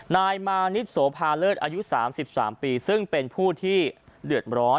นายมานิดโสภาเลิศอายุ๓๓ปีซึ่งเป็นผู้ที่เดือดร้อน